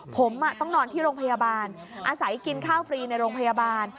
ผมต้องนอนที่โรงพยาบาลอาศัยกินข้าวฟรีในโรงพยาบาล